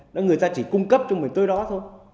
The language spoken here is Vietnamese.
nó người ta chỉ cung cấp cho mình tới đó thôi